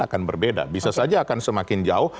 akan berbeda bisa saja akan semakin jauh